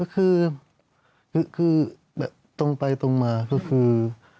ก็คือตรงไปตรงมาก็คือ